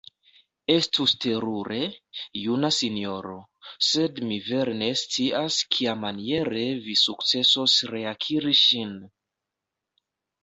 Estus terure, juna sinjoro, sed mi vere ne scias, kiamaniere vi sukcesos reakiri ŝin.